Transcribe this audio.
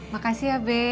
makasih ya be